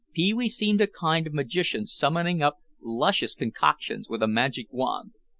Pee wee seemed a kind of magician summoning up luscious concoctions with a magic wand.